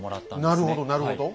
なるほどなるほど。